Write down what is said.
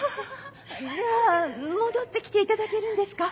じゃあ戻って来ていただけるんですか？